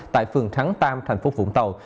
tại phường thắng tam thành phố vũng tàu